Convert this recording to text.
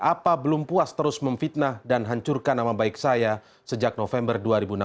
apa belum puas terus memfitnah dan hancurkan nama baik saya sejak november